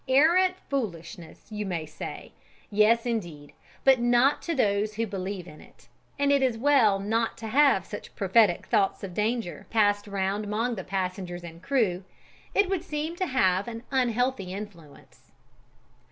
Arrant foolishness, you may say! Yes, indeed, but not to those who believe in it; and it is well not to have such prophetic thoughts of danger passed round among passengers and crew: it would seem to have an unhealthy influence.